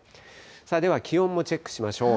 では、気温もチェックしましょう。